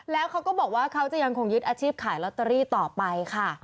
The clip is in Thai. แล้วเขาก็บอกว่าเขาจะยังคงยึดอาชีพขายลอตเตอรี่ต่อไปค่ะ